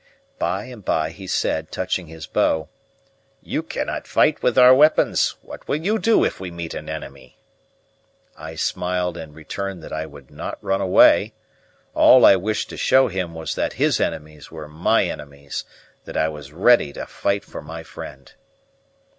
By and by he said, touching his bow: "You cannot fight with our weapons; what will you do if we meet an enemy?" I smiled and returned that I would not run away. All I wished to show him was that his enemies were my enemies, that I was ready to fight for my friend.